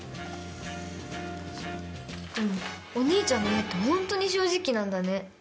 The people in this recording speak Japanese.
でもお兄ちゃんの目ってホントに正直なんだね。